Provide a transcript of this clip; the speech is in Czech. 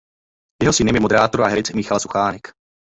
Jeho synem je moderátor a herec Michal Suchánek.